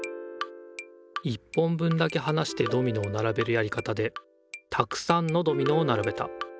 １本分だけはなしてドミノをならべるやり方でたくさんのドミノをならべた。